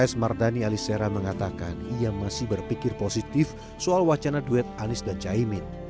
dpp pks mardhani alisera mengatakan ia masih berpikir positif soal wacana duet anis dan caimin